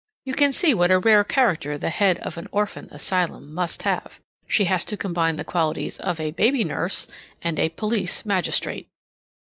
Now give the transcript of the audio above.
You can see what a rare character the head of an orphan asylum must have. She has to combine the qualities of a baby nurse and a police magistrate.